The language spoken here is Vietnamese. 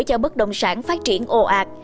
cho bất đồng sản phát triển ồ ạt